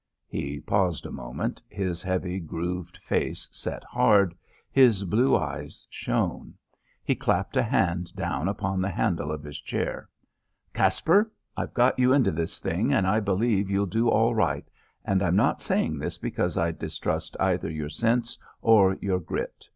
He paused a moment; his heavy, grooved face set hard; his blue eyes shone. He clapped a hand down upon the handle of his chair. "Caspar, I've got you into this thing, and I believe you'll do all right, and I'm not saying this because I distrust either your sense or your grit.